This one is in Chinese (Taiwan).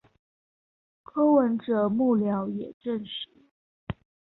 柯文哲幕僚也證實